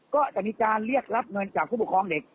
ก็จะมีการเรียกรับเงินจากผู้ปกครองเด็ก